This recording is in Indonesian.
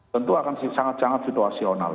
tentu akan sangat sangat situasional